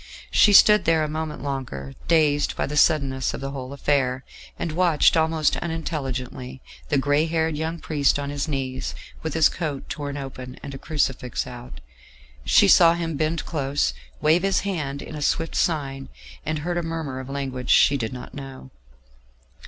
She stood there a moment longer, dazed by the suddenness of the whole affair, and watched almost unintelligently the grey haired young priest on his knees, with his coat torn open, and a crucifix out; she saw him bend close, wave his hand in a swift sign, and heard a murmur of a language she did not know.